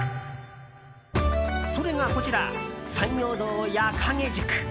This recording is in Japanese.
それが、こちら山陽道やかげ宿。